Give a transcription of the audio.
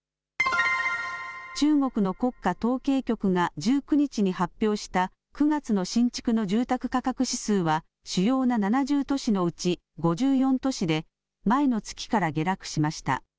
中国の国家統計局が１９日に発表した９月の新築の住宅価格指数は主要な７０都市のうち５４都市で前の月から下落しました。